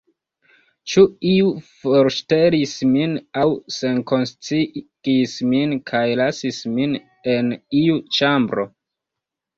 Ĉu iu forŝtelis min aŭ senkonsciigis min kaj lasis min en iu ĉambro?